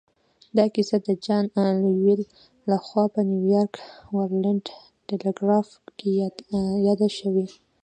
دا کیسه د جان لویل لهخوا په نیویارک ورلډ ټیليګراف کې یاده شوې